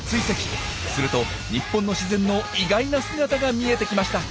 すると日本の自然の意外な姿が見えてきました！